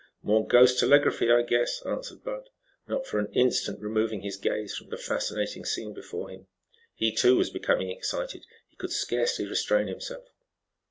"More ghost telegraphy, I guess," answered Bud, not for an instant removing his gaze from the fascinating scene before him. He, too, was becoming excited. He could scarcely restrain himself.